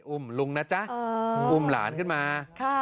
อุ้มลุงนะจ๊ะอุ้มหลานขึ้นมา